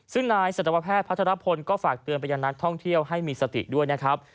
ซึ่งนายสัตวแพทย์พัทรพลก็ฝากเตือนไปยังนักท่องเที่ยวให้มีสติด้วยนะครับ